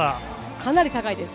かなり高いです。